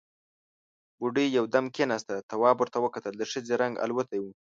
بوډۍ يودم کېناسته، تواب ور وکتل، د ښځې رنګ الوتی و.